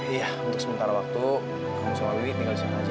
iya untuk sementara waktu kamu sama wiwi tinggal di sana aja ya